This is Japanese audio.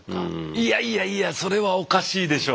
いやいやいやそれはおかしいでしょう。